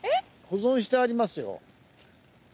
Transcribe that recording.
保存してありますよ。